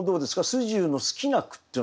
素十の好きな句っていうのは。